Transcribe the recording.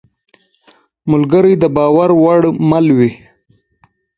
ملګری د باور وړ مل وي.